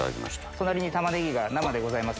隣にタマネギが生でございます。